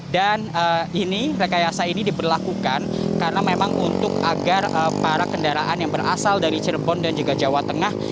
dan rekayasa ini diperlakukan karena memang untuk agar para kendaraan yang berasal dari cirebon dan juga jawa tengah